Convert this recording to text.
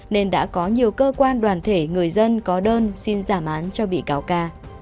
nên đã có nhiều cơ quan đoàn thể người dân có đơn xin giảm án cho bị cáo ca